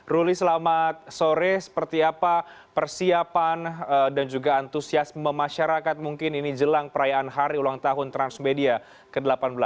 ruli selamat sore seperti apa persiapan dan juga antusiasme masyarakat mungkin ini jelang perayaan hari ulang tahun transmedia ke delapan belas